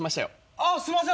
あっすいません